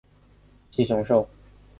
蜥熊兽的头部具有许多原始特征。